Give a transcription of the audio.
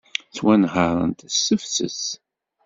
Ttwanhaṛent s tefses.